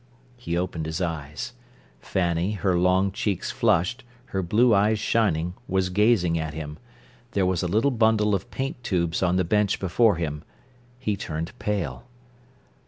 He opened his eyes. Fanny, her long cheeks flushed, her blue eyes shining, was gazing at him. There was a little bundle of paint tubes on the bench before him. He turned pale.